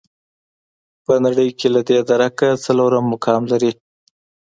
په نړۍ کې له دې درکه څلورم مقام لري.